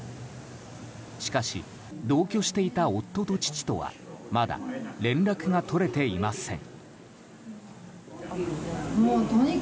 しかし、同居していた夫と父とはまだ連絡が取れていません。